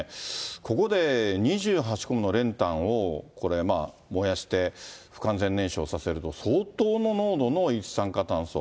ここで２８個もの練炭を、これまあ、燃やして、不完全燃焼させると、相当の濃度の一酸化炭素。